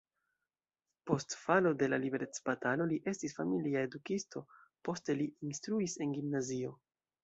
Post falo de la liberecbatalo li estis familia edukisto, poste li instruis en gimnazio.